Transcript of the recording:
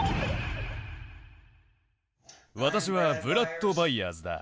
私はブラッド・バイヤーズだ。